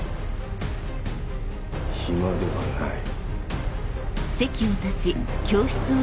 暇ではない。